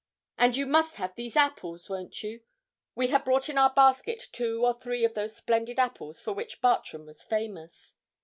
'And you must have these apples won't you?' We had brought in our basket two or three of those splendid apples for which Bartram was famous.